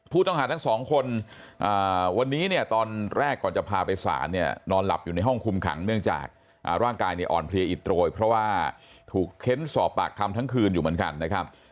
ผู้ต้องหาทั้งสองคนวันนี้เนี่ยตอนแรกก่อนจะพาไปสารเนี่ยนอนหลับอยู่ในห้องคุมขังเนื่องจากร่างกายเนี่ยอ่อนเพลียอิดโรยเพราะว่าถูกเค้นสอบปากคำทั้งคืนอยู่เหมือนกันนะครับ